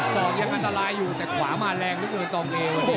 สองยังอันตรายอยู่แต่ขวามันแรงด้วยกันต่อมือเอง